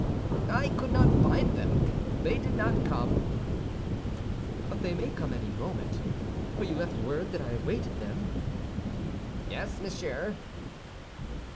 "I could not find them; they did not come." "But they may come any moment, for you left word that I awaited them?" "Yes, monsieur."